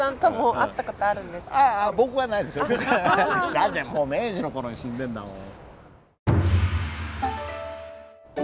だってもう明治の頃に死んでんだもん。